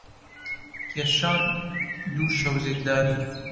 کێشام دوو شەو زیندانی